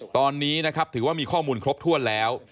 ตอนนี้นะครับถือว่ามีข้อมูลครบถ้วนแล้ว